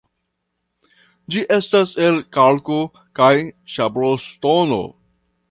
Ĝi estas el kalko- kaj sabloŝtono.